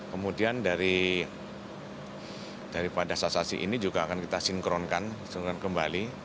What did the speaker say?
kemudian daripada sasasi ini juga akan kita sinkronkan sinkron kembali